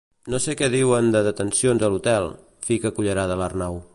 No sé què diuen de detencions a l'hotel —fica cullerada l'Arnau.